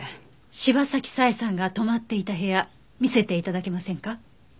柴崎佐江さんが泊まっていた部屋見せて頂けませんか？